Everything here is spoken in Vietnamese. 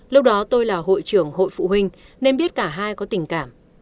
lúc đó tôi là hội trưởng hội phụ huynh nên biết cả hai có tình cảm